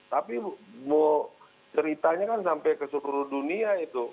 tapi ceritanya kan sampai ke seluruh dunia itu